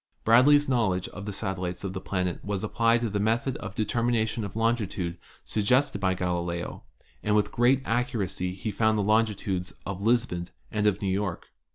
Bradley's knowledge of the satellites of the planet was applied to the method of the determination of longitude suggested by Galileo, and with great accuracy he found the longitudes of Lisbon and of New York.